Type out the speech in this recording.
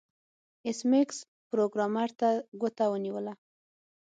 ایس میکس پروګرامر ته ګوته ونیوله